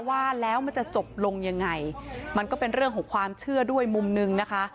ว่าแล้วมันจะจบลงยังไงมันก็เป็นเรื่องของความเชื่อด้วยมุมนึงนะคะ